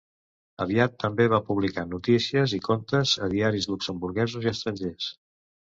Aviat també va publicar notícies i contes a diaris luxemburguesos i estrangers.